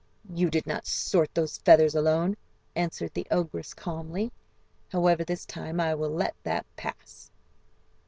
"You did not sort those feathers alone," answered the ogress calmly; "however, this time I will let that pass."